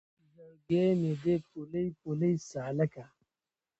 زړګی مې دی پولۍ پولۍ سالکه